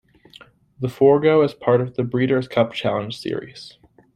The Forego is part of the Breeders' Cup Challenge series.